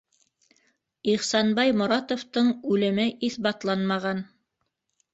Ихсанбай Моратовтың үлеме иҫбатланмаған.